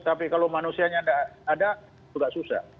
tapi kalau manusianya tidak ada juga susah